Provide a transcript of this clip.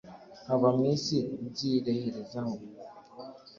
nkava mu isi nzireherezaho